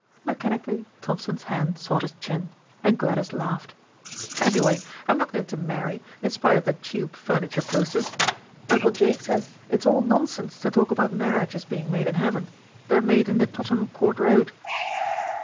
Mechanically Thompson's hand sought his chin, and Gladys laughed. "Anyway, I'm not going to marry, in spite of the tube furniture posters. Uncle Jake says it's all nonsense to talk about marriages being made in heaven; they're made in the Tottenham Court Road."